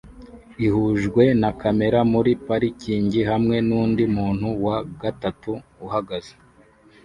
ihujwe na kamera muri parikingi hamwe nundi muntu wa gatatu uhagaze